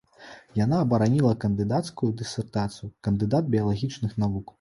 Яна абараніла кандыдацкую дысертацыю, кандыдат біялагічных навук.